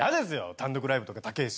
単独ライブとか高ぇし。